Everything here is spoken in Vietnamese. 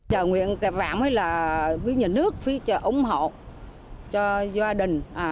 chờ nguyện tạp vãn mới là với nhà nước phía trợ ủng hộ cho gia đình